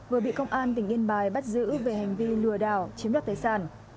vừa bị công an tỉnh yên bái bắt giữ về hành vi lừa đảo chiếm đoạt tài sản